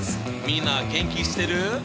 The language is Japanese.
みんな元気してる？